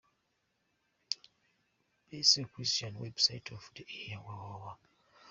Best Christian website of the year: www.